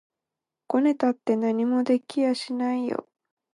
ごねたって何も出て来やしないよ